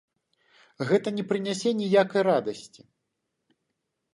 Гэта не прынясе ніякай радасці.